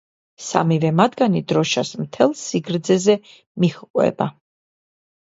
სამივე მათგანი დროშას მთელ სიგრძეზე მიჰყვება.